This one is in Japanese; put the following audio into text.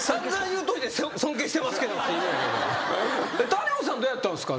谷本さんどうやったんすか？